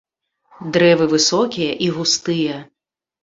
Дрэвы высокія і густыя.